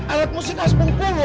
alat musik khas bengkulu